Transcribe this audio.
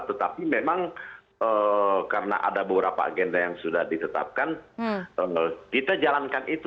tetapi memang karena ada beberapa agenda yang sudah ditetapkan kita jalankan itu